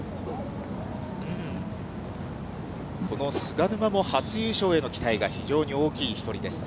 この菅沼も初優勝への期待が非常に大きい一人です。